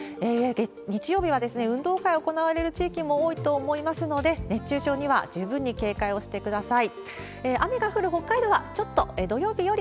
日曜日は運動会行われる地域も多いと思いますので、熱中症には十分に警戒をしてください。